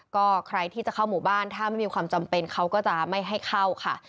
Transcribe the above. ก็ใครที่จะเข้าหมู่บ้านถ้าไม่มีความจำเป็นเขาก็จะไม่ให้เข้าค่ะ